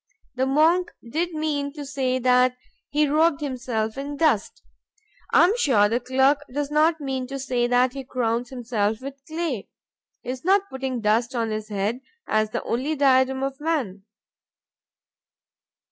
The monk did mean to say that he robed himself in dust. I am sure the clerk does not mean to say that he crowns himself with clay. He is not putting dust on his head, as the only diadem of man.